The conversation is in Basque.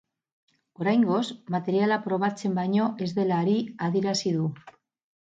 Oraingoz, materiala probatzen baino ez dela ari adierazi du.